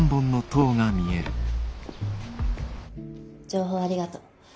「情報ありがとう。